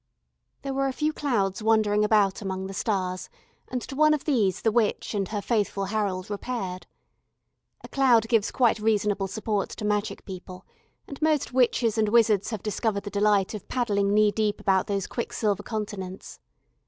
There were a few clouds wandering about among the stars, and to one of these the witch and her faithful Harold repaired. A cloud gives quite reasonable support to magic people, and most witches and wizards have discovered the delight of paddling knee deep about those quicksilver continents.